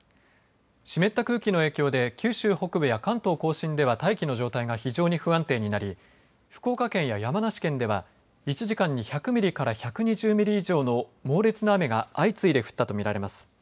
湿った空気の影響で九州北部や関東甲信では大気の状態が非常に不安定になり福岡県や山梨県では１時間に１００ミリから１２０ミリ以上の猛烈な雨が相次いで降ったと見られます。